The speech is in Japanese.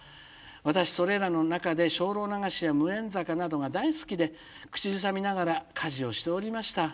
私それらの中で『精霊流し』や『無縁坂』などが大好きで口ずさみながら家事をしておりました。